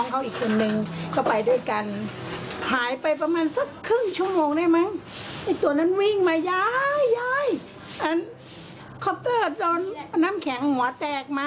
เขาเล่นเขาเล่นแล้วเขาปลาลงมาอย่างเงี้ยมันไม่ถูกอ่ะ